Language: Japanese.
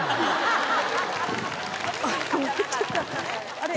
あれ？